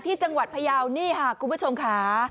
ที่จังหวัดพยาวนี่ค่ะคุณผู้ชมค่ะ